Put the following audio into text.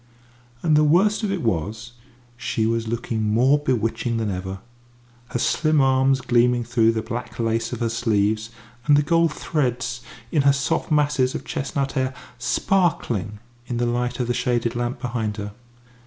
And the worst of it was, she was looking more bewitching than ever; her slim arms gleaming through the black lace of her sleeves, and the gold threads in her soft masses of chestnut hair sparkling in the light of the shaded lamp behind her.